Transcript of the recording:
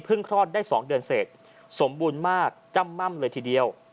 คลอดได้๒เดือนเสร็จสมบูรณ์มากจ้ำม่ำเลยทีเดียว